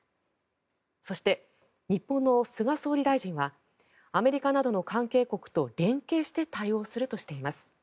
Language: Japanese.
そして、日本の菅総理大臣はアメリカなどの関係国と連携して対応するとしています。